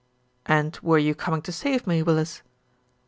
"And were you coming to save me, Willis?"